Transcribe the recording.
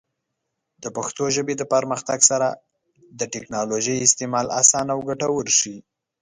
د پښتو ژبې د پرمختګ سره، د ټیکنالوجۍ استعمال اسانه او ګټور شي.